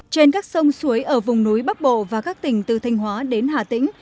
trên các sông suối ở vùng núi bắc bộ và các tỉnh từ thanh hóa đến hà tĩnh